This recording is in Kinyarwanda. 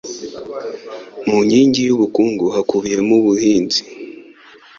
Mu nkingi y ubukungu hakubiyemo ubuhinzi